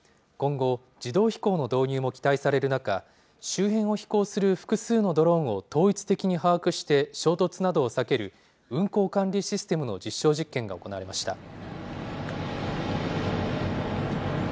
今後、自動飛行の導入も期待される中、周辺を飛行する複数のドローンを統一的に把握して衝突などを避ける、運航管理システムの実証実験が行われました。